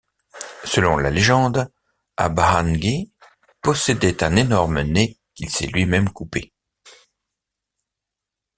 Selon la légende, Abaanngui possédait un énorme nez, qu'il s'est lui-même coupé.